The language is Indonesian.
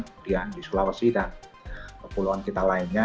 kemudian di sulawesi dan ke pulauan kita lainnya